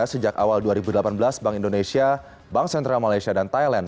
sejak awal dua ribu delapan belas bank indonesia bank sentral malaysia dan thailand